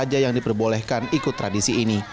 tapi sekarang tidak diperbolehkan ikut tradisi ini